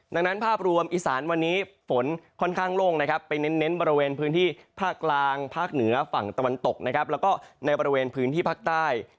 ดังนั้นภาพรวมอีสานวันนี้ฝนค่อนข้างโล่งนะครับไปเน้นบริเวณพื้นที่ภาคกลางภาคเหนือฝั่งตะวันตกนะครับแล้วก็ในบริเวณพื้นที่ภาคใต้